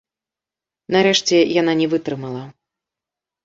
Нарэшце яна не вытрымала.